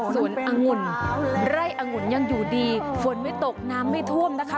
สลวะเจ้าสวนอังุณไร่อังุณยังอยู่ดีฝนไม่ตกน้ำไม่ท่วมนะคะ